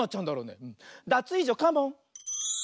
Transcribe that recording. ダツイージョカモン！